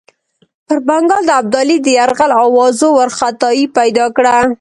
پر بنګال د ابدالي د یرغل آوازو وارخطایي پیدا کړه.